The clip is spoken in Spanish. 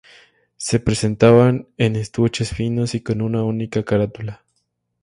Se presentaban en estuches finos y con una única carátula.